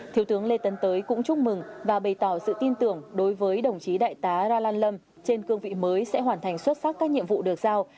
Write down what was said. thiếu tướng lê tấn tới cũng chúc mừng và bày tỏ sự tin tưởng đối với đồng chí đại tá ra lan lâm trên cương vị mới sẽ hoàn thành xuất sắc các nhiệm vụ được giao